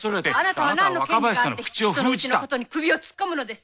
あなたは何の権利があって人のうちのことに首を突っ込むのです。